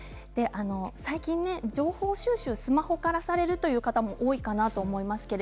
最近、情報収集スマホからされるという方多いかなと思います。